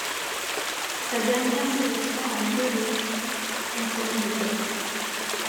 Sa dernière sélection a lieu le contre l'Angleterre.